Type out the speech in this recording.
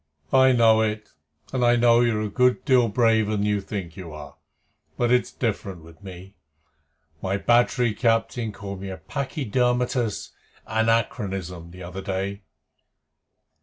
"I know it, and I know you are a good deal braver than you think you are. But it's different with me. My battery captain called me a Pachydermatous Anachronism the other day."